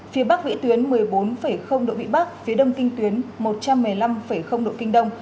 phía bắc vĩ tuyến một mươi bốn độ vĩ bắc phía đông kinh tuyến một trăm một mươi năm độ kinh đông